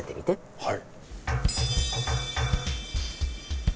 はい。